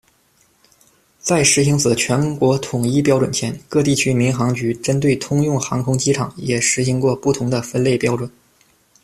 在实行此全国统一标准前，各地区民航局针对通用航空机场也实行过不同的分类标准。